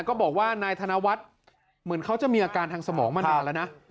ก็บอกว่านายธนวัฒน์เหมือนเขาจะมีอาการทางสมองมานานแล้วนะ